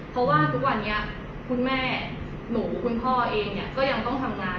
เพราะว่าทุกวันนี้คุณแม่หนูคุณพ่อเองก็ยังต้องทำงาน